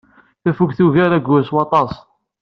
Tafukt tugar ayyur s waṭas.